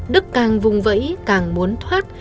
đức càng vùng vẫy càng muốn thoát